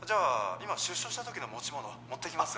今出所した時の持ち物持ってきます